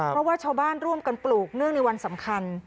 เพราะว่าชาวบ้านร่วมกันปลูกเนื่องในวันสำคัญ